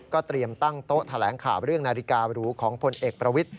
เตรียมตั้งโต๊ะแถลงข่าวเรื่องนาฬิการูของพลเอกประวิทธิ